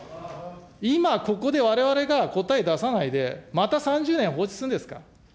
今、ここでわれわれが答え出さないで、また３０年放置するんですか。